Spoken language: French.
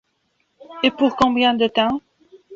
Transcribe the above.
Et pour combien de temps ?